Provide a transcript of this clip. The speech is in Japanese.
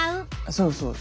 そうそう。